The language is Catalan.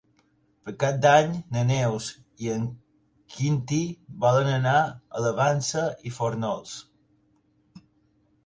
Per Cap d'Any na Neus i en Quintí volen anar a la Vansa i Fórnols.